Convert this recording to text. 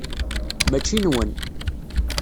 Mačči nwen.